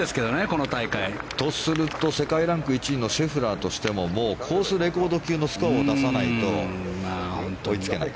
この大会。とすると世界ランク１位のシェフラーとしてもコースレコード級のスコアを出さないと追いつけない。